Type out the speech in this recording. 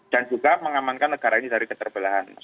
dan juga mengamankan negara ini dan negara ini